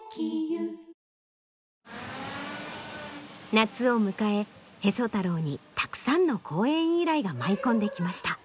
夏を迎え「へそ太郎」にたくさんの公演依頼が舞い込んできました。